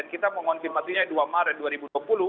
kita mengonfirmasinya dua maret dua ribu dua puluh